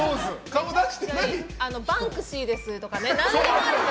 バンクシーですとか。